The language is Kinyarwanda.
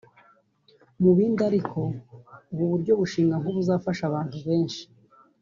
Mu bindi ariko ubu buryo bushimwa nk’ubuzabafasha abantu benshi